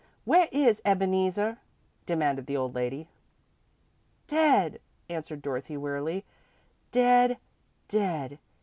"Where is Ebeneezer?" demanded the old lady. "Dead," answered Dorothy, wearily; "dead, dead.